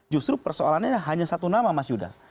justru persoalannya hanya satu nama mas yuda